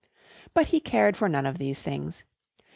But he cared for none of these things.